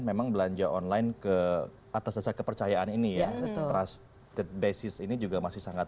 memang belanja online ke atas dasar kepercayaan ini ya trust basis ini juga masih sangat